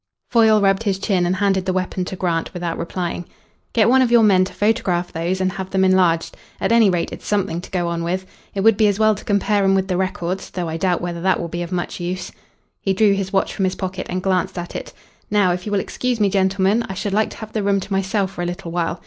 Foyle rubbed his chin and handed the weapon to Grant without replying. "Get one of your men to photograph those and have them enlarged. At any rate, it's something to go on with. It would be as well to compare 'em with the records, though I doubt whether that will be of much use." He drew his watch from his pocket and glanced at it. "Now, if you will excuse me, gentlemen, I should like to have the room to myself for a little while.